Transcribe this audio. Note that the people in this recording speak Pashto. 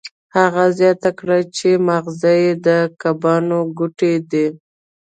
هغه زیاته کړه چې ماغزه یې د کبانو ګوتې دي